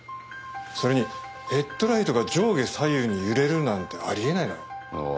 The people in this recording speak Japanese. それにヘッドライトが上下左右に揺れるなんてあり得ないだろう。